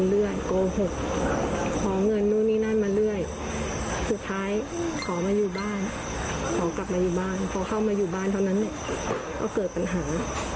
เจ็บในที่หมายความว่าต้องมาเสียเงินเสียนู่นเสียนี่